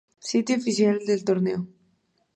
Sitio oficial del Torneo